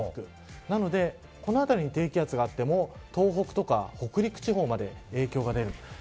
なので、この辺りに低気圧があっても東北や北陸地方まで影響が出る。